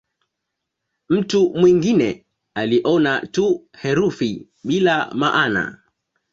Mtu mwingine aliona tu herufi bila maana.